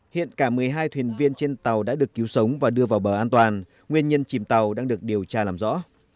hiện cả một mươi hai thuyền viên trên tàu đã được cứu sống và đưa vào bờ an toàn nguyên nhân chìm tàu đang được điều tra làm rõ